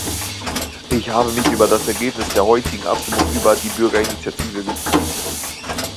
Ich habe mich über das Ergebnis der heutigen Abstimmung über die Bürgerinitiative gefreut.